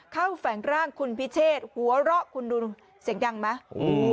แฝงร่างคุณพิเชษหัวเราะคุณดูเสียงดังไหม